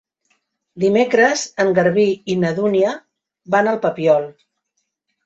Dimecres en Garbí i na Dúnia van al Papiol.